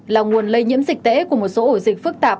là nguồn lây nhiễm dịch tễ của một số ổ dịch phức tạp